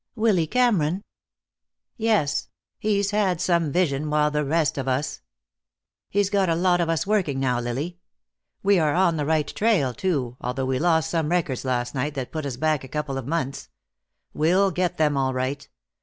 "Willy Cameron?" "Yes. He's had some vision, while the rest of us ! He's got a lot of us working now, Lily. We are on the right trail, too, although we lost some records last night that put us back a couple of months. We'll get them, all right.